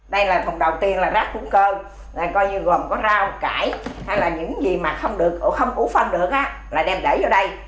đây là phòng đầu tiên là rác hủng cơ gồm có rau cải hay là những gì mà không ủ phân được là đem để vô đây